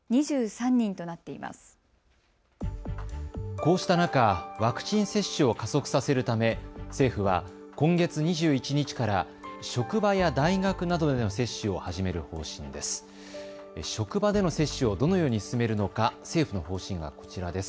こうした中、ワクチン接種を加速させるため政府は今月２１日から職場や大学などでの接種を始める方針です。